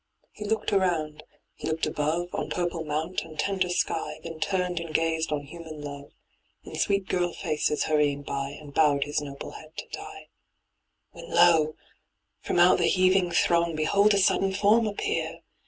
He looked around. He looked above. On purple mount and tender sky. Then turned and gazed on human love, In sweet girl faces hurrying by. And bowed his noble head to die. When lo ! from out the heaving throng Behold a sudden form appear